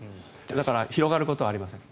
だから広がることはありません。